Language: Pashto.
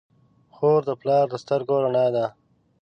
خور د پلار د سترګو رڼا ده.